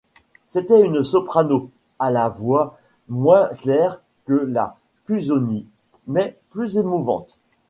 C’était une soprano, à la voix moins claire que la Cuzzoni, mais plus émouvante.